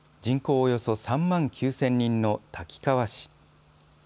およそ３万９０００人の滝川市。